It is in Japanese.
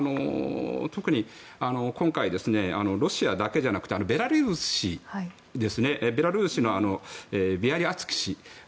特に今回、ロシアだけじゃなくてベラルーシのビアリアツキ氏。